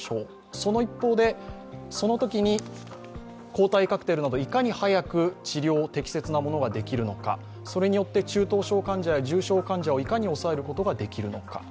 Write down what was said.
その一方で、そのときに抗体カクテルなど、いかに早く治療を適切なものができるのか、それによって中等症患者や重症患者をいかに抑えることができるのか。